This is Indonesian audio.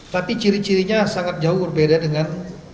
tapi ciri cirinya sangat jauh berbeda dengan